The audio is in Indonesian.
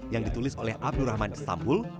yang ditulis oleh abdurrahman istanbul